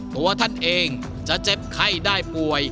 ตัวท่านเองจะเจ็บไข้ได้ป่วย